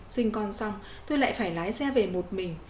sinh con xong tôi lại phải lái xe về một mình